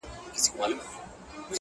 د نسلونو نسلونو پاتې ملي ارزښت دی